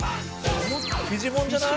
「フィジモンじゃない？」